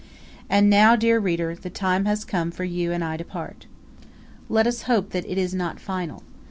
And now, dear reader, the time has come for you and I to part. Let us hope that it is not final.